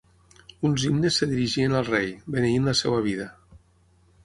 Uns himnes es dirigien al rei, beneint la seva vida.